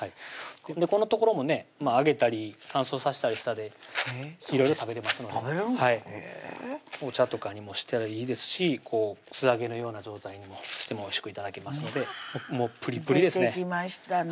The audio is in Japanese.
この所もね揚げたり乾燥さしたらしたでいろいろ食べれますので食べれるんですかへぇお茶とかにもしたらいいですし素揚げのような状態にしてもおいしく頂けますのでもうプリプリですね出てきましたね